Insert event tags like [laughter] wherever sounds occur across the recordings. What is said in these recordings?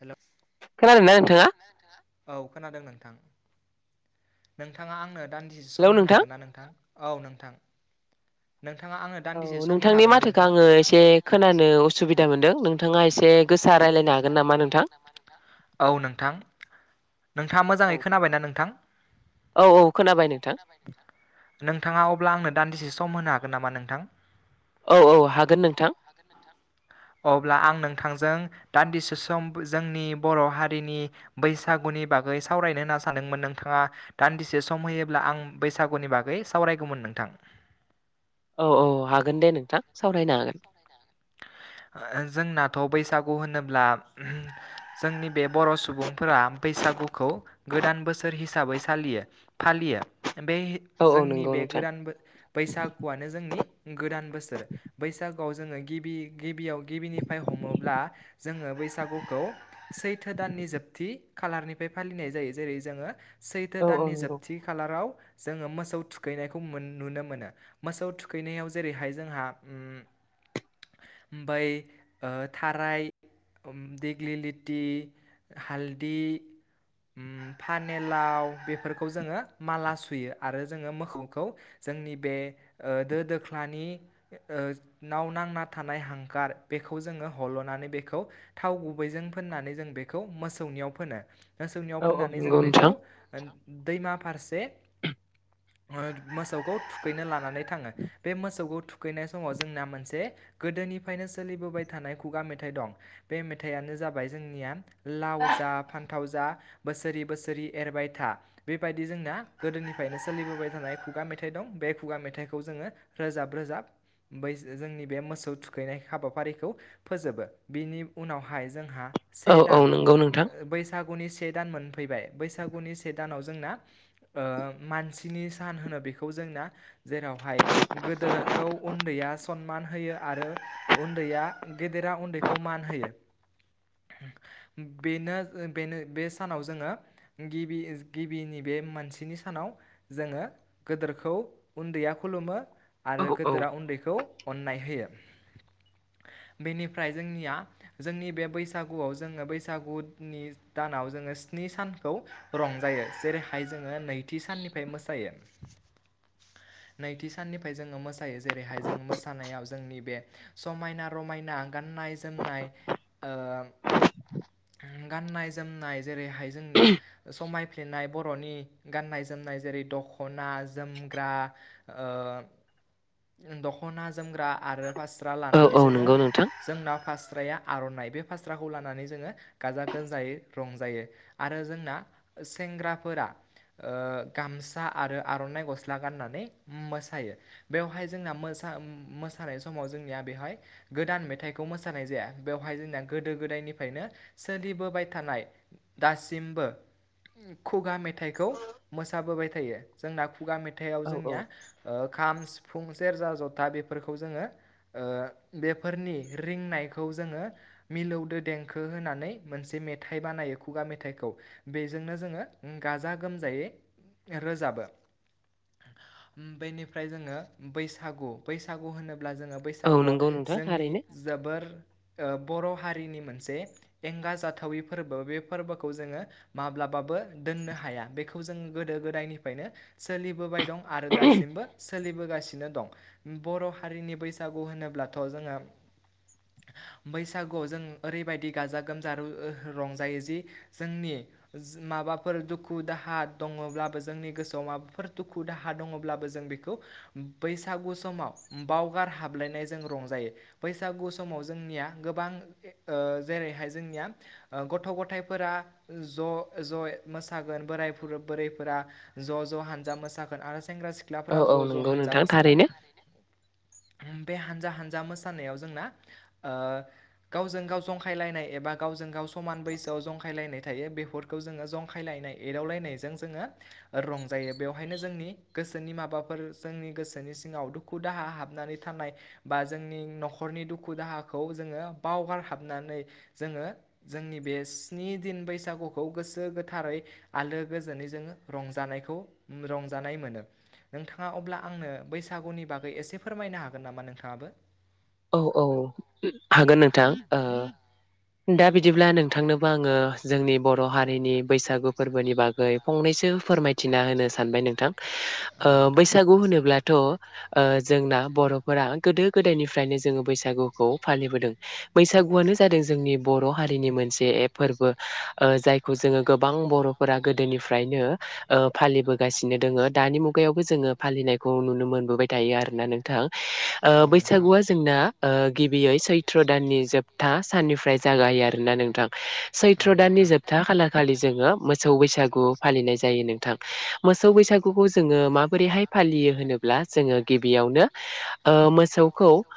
हेल' खोनादों ना नोंथाङा? औ खोनादों नोंथां नोंथाङा आंनो दान्दिसे सम होनो हागोन ना नोंथां औ नोंथां। नोंथाङा आंनो औ दान्दिसे सम होनो नोंथांनि हागोन ना माथोखौ नोंथां आङो नोंथांनि एसे माथोखो आङो खोनानो एसे उसुबिदा खोनानो मोनदों उसुबिदा नोंथाङा मोनदों एसे नोंथाङा गोसा एसे रायलायनो गोसा हागोन नामा रायलायनो नोंथां हागोन नामा नोंथां औ नोंथां नोंथाङा मोजाङै खोनाबायना नोंथां औ औ खोनाबाय नोंथां नोंथाङा अब्ला आंनो दान्दिसे सम होनो हागोन नामा नोंथां? औ औ हागोन नोंथां अब्ला आं नोंथांजों दान्दिसे सम जोंनि बर' हारिनि बैसागु नि बागै सावरायनो होनना सानदोंमोन नोंथाङा दान्दिसे सम होयोब्ला आं बैसागुनि बागै सावरायगौमोन नोंथां औ औ हागोन दे नोंथां सावरायनो हागोन। ओ जोंनाथ' बैसागु होनोब्ला उम जोंनि बे बर' सुबुंफोरा बैसागुखौ गोदान बोसोर हिसाबै सालियो फालियो बे औ औ जोंनि नंगौ बे नोंथां गोदान बो बैसागुआनो जोंनि गोदान बोसोर बैसा गुवाव जोङो गिबि गिबियाव गिबिनिफाय हमोब्ला जोङो बैसागुखौ सैथो दाननि जोबथि खालारनिफाय फालिनाय जायो जेरै जोङो सैथो औ औ दाननि नंगौ जोबथि खालाराव जोङो मोसौ थुखैनायखौ मोन नुनो मोनो मोसौ थुखैनायाव जेरैहाय जोंहा उम बै ओ थाराय उम दिग्लिलिटि हालदि उम फानेलाव बेफोरखौ जोङो माला सुयो आरो जोङो मोखौखौ जोंनि बे ओ दो दोख्लानि ओ नाव नांना थानाय हांखार बेखौ जोङो हल'नानै बेखौ थाव गुबैजों फोननानै जों बेखौ मोसौ नियाव फोनो मोसौनियाव औ औ फोननानै जों नंगौ बेखौ नोंथां दैमा फारसे ओ मोसौखौ थुखैनो लानानै थाङो बे मोसौखौ थुखैनाय समाव जोंना मोनसे गोदोनिफायनो सोलिबोबाय थानाय खुगा मेथाइ दं बे मेथाइयानो जाबाय जोंनिया लाव जा फान्थाव जा बोसोरि बोसोरि एरबाय था बेबायदि जोंना गोदोनिफायनो सोलिबोबाय थानाय खुगा मेथाइ दं। बे खुगा मेथाइखौ जोङो रोजाब रोजाब बै जोंनि बे मोसौ खौ थुखैनाय हाबाफारिखौ फोजोबो बिनि उनावहाय जोंहा से औ औ दान नंगौ नोंथां बैसागुनि से दान मोन। फैबाय बैसागुनि से दानाव जोंना ओ मानसिनि सान होनो बेखौ जोंना। जेरावहाय गोदोरखौ उन्दैया सनमान होयो। आरो उन्दैया गेदेरा उन्दैखौ मान होयो। बेनो ओ बेनो बे सानाव जोङो गिबि गिबिनि बे बे मानसिनि सानाव जोङो गोदोरखौ उन्दैया खुलुमो। औ आरो औ गोदोरा उन्दैखौ अननाय होयो। बेनिफ्राय जोंनिया जोंनि बे बैसागुआव जोङो बैसागुनि दानाव जोङो स्नि सानखौ रंजायो जेरैहाय जोङो नैथि साननिफ्राय मोसायो। नैथि साननिफाय जोङो मोसायो जेरैहाय जों मोसानायाव जोंनि बे समायना रमायना गाननाय जोमनाय ओ उम गाननाय जोमनाय जेरैहाय जोंनिया समायफ्लेनाय बर'नि गाननाय जोमनाय जेरै दख'ना जोमग्रा ओ उम दख'ना जोमग्रा आरो फास्रा औ लानानै औ जोङो नंगौ नोंथां जोंनाव फास स्राया आर'नाइ बे फास्राखौ लानानै जोङो गाजा गोमजायै रंजायो आरो जोंना ओ सेंग्राफोरा ओ गामसा आरो आर'नाइ गस्ला गाननानै मोसायो बेवहाय जोंना मोसा सा उम मोसानाय समाव जोंनिया बेवहाय गोदान मेथाइखौ मोसानाय जाया बेवहाय जोंनिया गोदो गोदायनिफायनो सोलि लि बोबाय थानाय दासिमबो खुगा मेथाइखौ मोसाबोबाय थायो जोंना खुगा मे थायाव औ औ जोंनिया ओ खाम सिफुं सेरजा जथा बेफोरखौ जोङो ओ बेफोरनि रिंनायखौ जोङो मिलौदो देंखो होनानै मोन से मेथाइ बानायो खुगा मेथाइखौ बेजोंनो जोङो गाजा गोमजायै रोजाबो। बेनिफ्राय जोङो बैसागु बैसागु होनो ब्ला जोङो औ बैसागुआव नंगौ नोंथां जोंनि थारैनो जोबोर ओ बर' हारिनि मोनसे एंगा जाथावि फोरबो बे फोरबोखौ जोङो माब्लाबाबो दोननो हाया बेखौ जों गोदो गोदायनिफ्रायनो सोलिबोबाय दं आरो दासिमबो सोलिबोगासिनो दं बर' हारिनि बैसागु होनोब्लाथ' जोङो बैसागुआव जों ओरैबायदि गाजा गोमजा रंजायो जि जोंनि माबाफोर दुखु दाहा दङब्लाबो जोंनि गोसोआव माबाफोर दुखु दाहा दङब्लाबो जों बेखौ बैसागु समाव बावगार हाबलायनायजों रंजायो बैसागु समाव जोंनिया गोबां ओ जेरै जोंनिया ओ गथ' गथायफोरा ज' ज' मोसागोन बोरायफोर बुरै फोरा ज' ज' हानजा मोसागोन आरो सेंग्रा औ सिख्लाफोरा औ ज' ज' नंगौ हानजा नोंथां मोसागोन थारैनो [inaudible] बे हानजा हानजा मोसानायाव जोंना ओ गावजों गाव जंखायलायनाय एबा गावजों गाव समान बैसोआव जंखायलायनाय थायो बेफोरखौ जों जंखायलायनाय एदावलायनायजों जोङो ओ रंजायो बेवहायनो जोंनि गोसोनि माबाफोर जोंनि गोसोनि सिङाव दुखु दाहा हाबनानै थानाय बा जोंनि नखरनि दुखु दाहाखौ जोङो बावगार हाबनानै जोङो जोंनि बे स्नि दिन बैसागुखौ गोसो गोथारै आलो गोजोनै जोङो रंजानायखौ रंजानाय मोनो नोंथाङा अब्ला आंनो बैसागुनि बा गै एसे फोरमायनो हागोन नामा नोंथाङाबो औ औ हागोन नोंथां ओ दा बिदिब्ला नोंथांनोबो आङो जोंनि बर' हारिनि बैसागु फोरबोनि बागै फंनैसो फोरमायथिना होनो सानबाय नोंथां औ ओ नोंथां बैसागु होनोब्लाथ' ओ जोंना बर'फोरा गोदो गोदायनिफ्रायनो जोङो बैसागुखौ फालिबोदों बैसागुआनो जादों जोंनि बर' हारिनि मोनसे फोरबो ओ जायखौ जोङो गोबां बर'फोरा गोदोनिफ्राय नो ओ फालिबोगासिनो दोङो दानि मुगायावबो जोङो फालिनायखौ नुनो मोनबोबाय थायो आरोना नोंथां औ ओ नोंथां बैसागुआ जों ना ओ गिबियै सैत्र दाननि जोबथा साननिफ्राय जागायो आरोना नोंथां सै औ त्र दाननि नोंथां जोबथा खालाखालि जोङो मोसौ बैसागु फालि नाय जायो नोंथां मोसौ बैसागुखौ जोङो माबोरैहाय फालियो होनोब्ला जोङो गिबियावनो ओ मोसौखौ ओ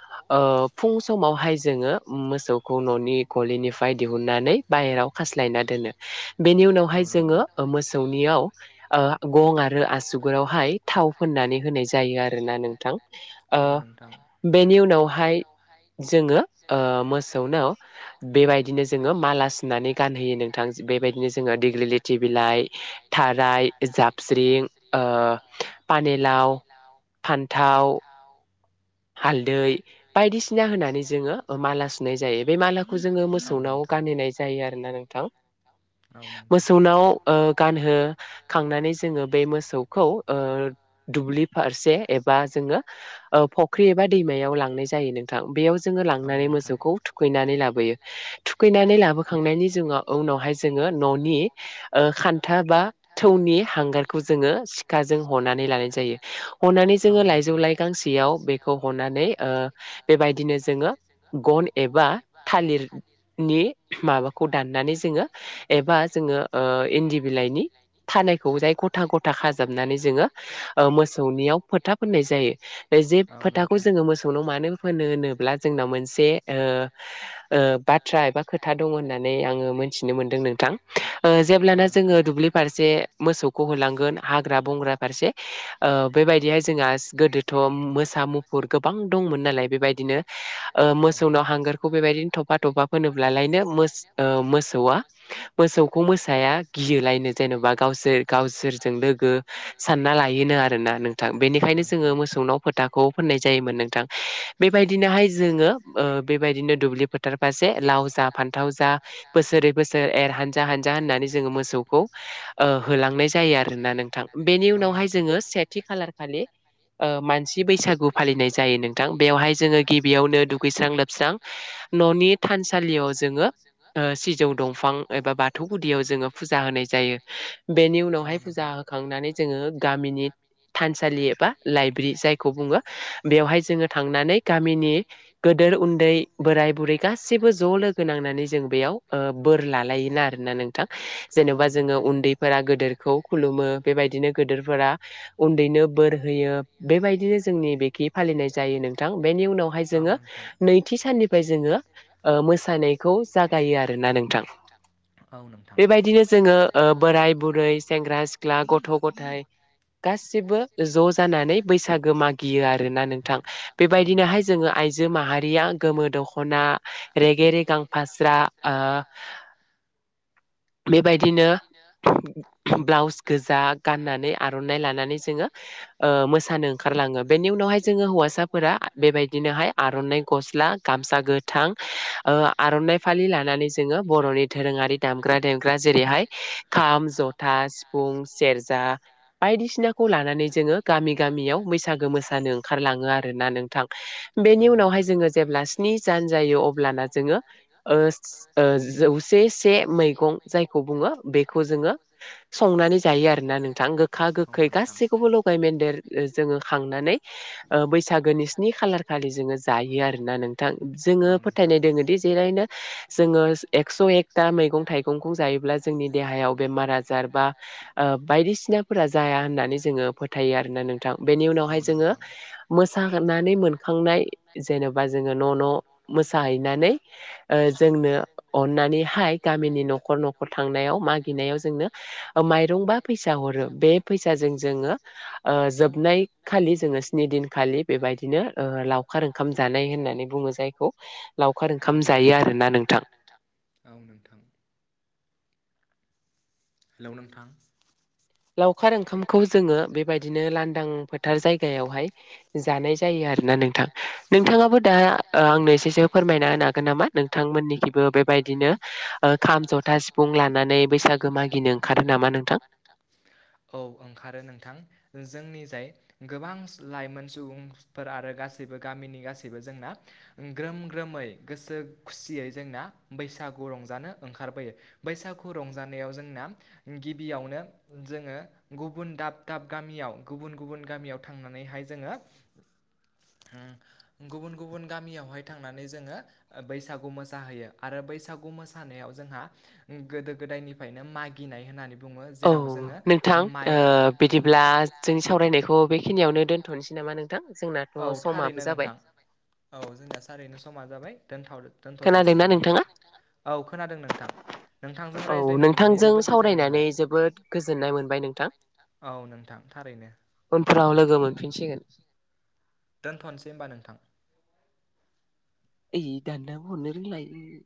फुं समावहाय जोङो मोसौखौ न'नि गलिनिफ्राय दिहुननानै बाहेरा आव खास्लायना दोनो बेनि औ नोंथां औ उनावहाय जोङो नोंथां मो सौनियाव ओ गं आरो आसुगुरावहाय थाव फोननानै होनाय जायो आरोना नोंथां ओ दां नि उनावहाय जोङो ओ मोसौनो बेबायदिनो जोङो माला सुना नानै गानहोयो नोंथां बेबायदिनो जोङो दिग्लिलिथि बिलाइ थाराय जाबस्रिं ओ पानिलाव फान्थाव [inaudible] हालदै बायदिसिना होनानै जोङो माला सुनाय जायो बे मालाखौ जोङो औ नोंथां औ मोसौनाव नोंथां गानो होनाय जायो आरोना नोंथां औ नोंथां औ नोंथां मोसौनाव ओ गानहोखांनानै जोङो बे मोसौखौ ओ दुब्लि फारसे एबा जों यो ओ फख ख्रि एबा दैमायाव लांनाय जायो नोंथां बेयाव जोङो औ लांनानै नोंथां मोसौखौ थुखैनानै लाबोयो थुखैनानै सुनानै लाबोखांनायनि जोङा उनावहाय जोंङो न'नि ओ खानथाब बा थौनि हांगारखौ जोङो सिखाजों हनानै लानाय जायो हनानै जोङो लायजौ लाइ लाइ गांसेयाव बे खौ हनानै ओ बेबायदिनो जोङो गन एबा थालिर नि माबाखौ दाननानै जोङो एबा जोङो ओ इन्दि बिलाइनि बिलायनि खानायखौ जाय गथा गथा खाजाबनानै जोङो ओ मोसौनियाव फोथा फोननाय जायो जे फोथाखौ जोङो मोसौनो मानो फो होनोब्ला जोंनाव मोनसे ओ ओ बाथ्रा खोथा दङ' होननानै आङो मोथिनो मोन्दों नोंथां ओ औ जेब्लाना जोङो नोंथां दुब्लि फारसे मोसौखौ होलांगोन हाग्रा बंग्रा फारसे ओ बेबायदिहाय जोंहा गोदोथ' थम मोस सा मुफुर गोबां दंमोन नालाय बेबायदिनो ओ मोसौनाव हांगोरखौ बेबायदिनो थफा थफा फुनोम अब्लालायनो मोसौ ओ मोसौआ मोसौखौ मोसाया गिलायनो जेनेबा गावसोर गावसोरजों लोगो सानना लायोनो आरोना नोंथां बेनिखायनो जोङो मोसौनाव फोथ थाखौ फोननाय जायोमोन नोंथां बेबायदिनोहाय जोङो बेबायदिनो दुब्लि फोथार फारसे लाव जा फान्थाव जा बोसोरै बोसोर एर हानजा हानजा होननानै जोङो मोसौखौ ओ होलांनाय जायो आरोना नोंथां बेनि उनावहाय जोङो सेथि खालार खालि मानसि बैसागु फालिनाय जायो नोंथां बेवहाय जोङो गिबियावनो दुगैस्रां लोबस्रां न'नि था थानसालियाव जोङो सिजौ दंफां एबा बाथौ गुदियाव जोङो फुजा होनाय जायो बेनि उनावहाय फुजा होखांनानै जोङो गामिनि थानसालि एबा लाइब्रेरि जाय खौ बुङो बेवहाय जोङो थांनानै गामिनि गोदोर उन्दै बोराय बुरै गासिब बो ज' लोगो नांनानै जों बेयाव बोर लालायोना आरोना नोंथां जेनेबा जोङो उन्दैफोरा गोदोरखौ खुलुमो बेबायदिनो गोदोरफोरा उन्दैनो बोर होयो यो बेबाय दिनो जोंनि बेखि फालिनाय जायो नोंथां बेनि उनावहाय जोङो नैथि साननिफ्राय जोङो मोसानायखौ जागायो आरोना नोंथां औ नोंथां बेबायदिनो जोङो ओ बोराय बुरै सेंग्रा सिख्ला गथ' गथाय गासिबो ज' जानानै बैसाग गो मागियो आरोना नोंथां बेबायदिनोहाय जोङो आइजो माहारिया गोमो दख'ना रेगेरे गां फास्रा ओ [inaudible] बेबायदिनो ब्लाउस गोजा गाननानै आर'नाइ लानानै जोङो ओ मोसानो ओंखारलाङो बेनि उनावहाय जोङो हौवासाफोरा बेबायदिनोहाय आर'नाइ गस्ला गामसा गोथां ओ आर'नाइ फालि लानानै जोङो बर'नि दोरोङारि दामग्रा देख जेरैहाय खाम जथा सिफुं सेरजा बायदिसिनाखौ लानानै जो जोङो गामि गामियाव बैसागो मोसानो ओंखारलाङो आरोना नोंथां बेनि उनावहाय जोङो जेब्ला स्नि सान जायो अब्लाना जोङो ओ सि ओ जौसे से मैगं जा जायखौ बुङो बेखौ जोङो संनानै जायो आरोना नोंथां गोखा गोैखै गासैखौबो लगाय मेन्देर जोङो खांनानै ओ बैसागोनि स्नि खालार खालि जोङो जायो आरोना नों थां जोङो फोथायनाय दोङोदि जेरैनो जोङो एकस' एकथा मैगं थाइं गंखौ जायोब्ला जोंनि देहायाव बेमार आजार बा बायदिसिनाफोरा जाया होननानै जोङो फोथायो आरोना नोंथां बेनि उनावहाय जोङो मोसाहोननानै मोनखांनाय जेनोबा जोङो न' न' मोसैनानै जोंनो अननानैहाय गामिनि न'ख न'खर न'खर थांनायाव मागिनायाव जोंनो माइरं बा फैसा हरो बे फैसाजों जोङो ओ जोबनाय खालि जोङो स्नि दिनखालि बेबायदिनो ओ लावखार ओंखाम जानाय होन होननानै बुङो जायखौ लावखार उनावहाय ओंखाम जायो आरोना नोंथां। औ नोंथां। [inaudible] लावखार ओंखामखौ जोङो बेबायदिनो लांदां फोथार जायगायावहाय जानाय जा यो आरोना नोंथां। नोंथाङाबो दा ओ आंनो एसेसो फोरमायना हागोन नामा नोंथांमोननिखिबो बेबायदिनो ओ खाम जथा सिफुं लानानै बैसागो मागिनो ओंखारो नामा नोंथां [inaudible] औ ओंखारो नोंथां। जोंनि जाय गोबां लाइमोन सुबुंफोर आरो गा सैबो गामिनि गासैबो जोंना ग्रोम ग्रोमै गोसो खुसियै जोंना बैसा गु रंजानो ओंखारबोयो बैसागु रंजानायाव जोंना गिबियावनो जोङो गुबुन दाब दाब गामियाव गुबुन गुबुन गामियाव थांनानै हाय जोङो उम गुबुन गुबुन गामियावहाय थांनानै जोङो बैसागु मोसाहैयो आरो बैसागु मोसानायाव जोंहा गोदो गोदायनिफ्रायनो मागिनाय होननानै बुङो औ जेराव जोङो नोंथां माइ ओ बिदिब्ला जोंनि सावरायनायखौ बेखिनियावनो दोनथ'नोसै नामा नोंथां? जोंनाथ' औ समाबो थारैनो जाबाय नोंथां औ जोंनिया थारैनो समा जाबाय। दोनथ दोनथ' खोनादोंना जासिगोन नोंथां नोंथाङा औ खोनादों नोंथां। नोंथांजों औ रायज्लायनो मोननानै नोंथांजों जोबोद गोजोननाय सावरायनानै मोनबाय जोबोद गोजोननाय मोनबाय नोंथां। औ नोंथां थारैनो उनफोराव लोगो मोनफिनसिगोन। दोनथ'नोसै होमबा नोंथां। ओइ दानाबो हरनो रोंला इयो।